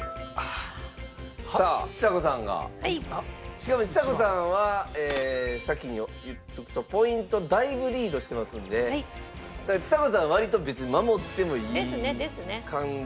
しかもちさ子さんは先に言っとくとポイントだいぶリードしてますんでだからちさ子さん割と別に守ってもいい感じかもしれないですね。